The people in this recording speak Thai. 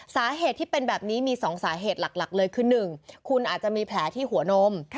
สาเหตุที่เป็นแบบนี้มี๒สาเหตุหลักเลยคือ๑คุณอาจจะมีแผลที่หัวนม